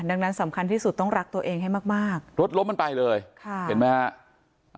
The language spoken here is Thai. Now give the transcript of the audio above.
ดังนั้นสำคัญที่สุดต้องรักตัวเองให้มากมากรถล้มมันไปเลยค่ะเห็นไหมฮะ